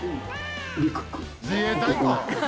自衛隊か？